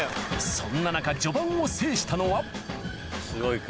そんな中序盤を制したのはすごいか。